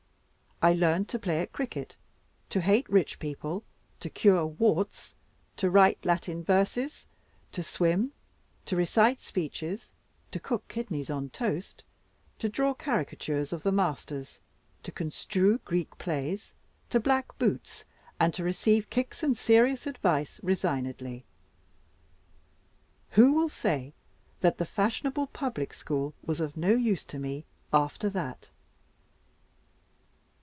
I learned to play at cricket, to hate rich people, to cure warts, to write Latin verses, to swim, to recite speeches, to cook kidneys on toast, to draw caricatures of the masters, to construe Greek plays, to black boots, and to receive kicks and serious advice resignedly. Who will say that the fashionable public school was of no use to me after that?